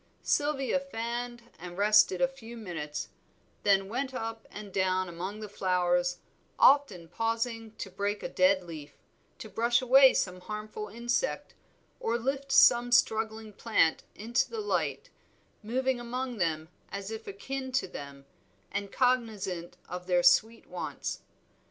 Sylvia fanned and rested a few minutes, then went up and down among the flowers, often pausing to break a dead leaf, to brush away some harmful insect, or lift some struggling plant into the light; moving among them as if akin to them, and cognizant of their sweet wants.